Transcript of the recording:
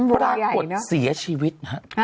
ปรากฏเสียชีวิต